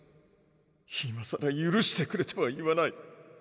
今さら許してくれとは言わない。